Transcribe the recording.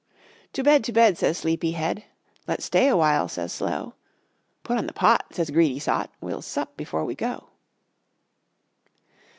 "To bed, to bed," says Sleepy Head; "Let's stay awhile," says Slow; "Put on the pot," says Greedy Sot, "We'll sup before we go."